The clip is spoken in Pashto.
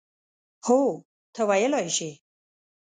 هو، ته ویلای شې.